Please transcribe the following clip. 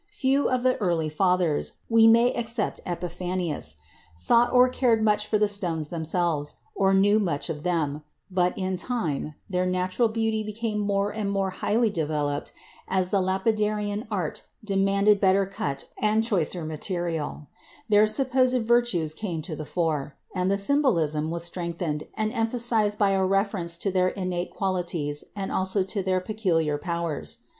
Few of the early fathers—we may except Epiphanius—thought or cared much for the stones themselves, or knew much of them; but, in time, their natural beauty became more and more highly developed as the lapidarian art demanded better cut and choicer material, their supposed virtues came to the fore, and the symbolism was strengthened and emphasized by a reference to their innate qualities and also to their peculiar powers.